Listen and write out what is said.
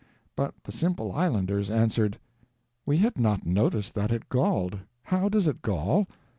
But the simple islanders answered: "We had not noticed that it galled. How does it gall?